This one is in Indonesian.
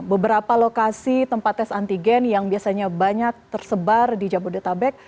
beberapa lokasi tempat tes antigen yang biasanya banyak tersebar di jabodetabek